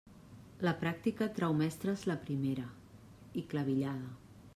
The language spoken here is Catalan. La pràctica trau mestres La primera, i clavillada.